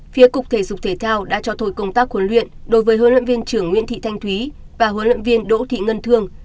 phía cục thể dục thể thao đã cho thôi công tác huấn luyện đối với huấn luyện viên trưởng nguyễn thị thanh thúy và huấn luyện viên đỗ thị ngân thương